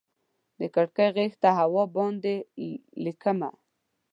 د کړکۍ غیږ ته هوا باندې ليکمه